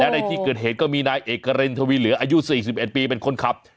และในที่เกิดเห็นก็มีนายเอกเรนทวีเหลืออายุสี่สิบเอ็ดปีเป็นคนขับ